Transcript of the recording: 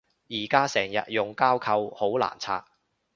而家成日用膠扣好難拆